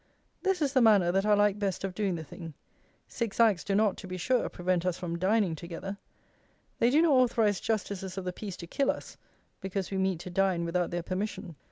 This is the manner that I like best of doing the thing. Six Acts do not, to be sure, prevent us from dining together. They do not authorize Justices of the Peace to kill us, because we meet to dine without their permission.